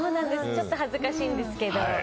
ちょっと恥ずかしいんですけど。